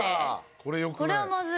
これよくない。